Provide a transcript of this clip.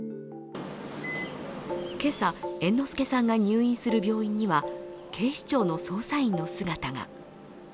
今朝、猿之助さんが入院する病院には警視庁の捜査員の姿が。